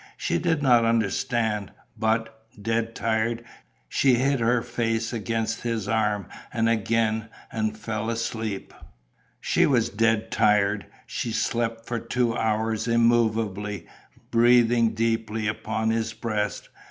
She did not understand, but, dead tired, she hid her face against his arm again and fell asleep. She was dead tired. She slept for two hours immovably, breathing deeply, upon his breast.